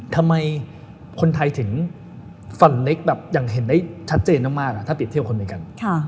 ทำไมคนไทยถึงฝันเล็กแบบอย่างเห็นได้ชัดเจนมากถ้าเปรียบเทียบคนอเมริกัน